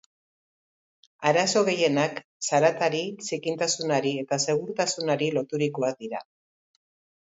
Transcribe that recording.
Arazo gehienak zaratari, zikintasunari eta segurtasunari loturikoak dira.